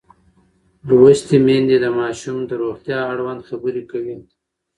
لوستې میندې د ماشومانو د روغتیا اړوند خبرې کوي.